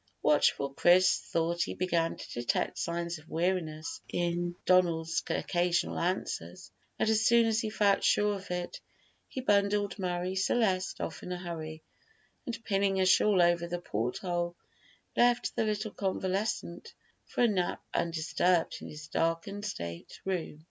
Watchful Chris thought he began to detect signs of weariness in Donald's occasional answers, and as soon as he felt sure of it he bundled Marie Celeste off in a hurry, and pinning a shawl over the port hole, left the little convalescent for a nap undisturbed in his darkened state room.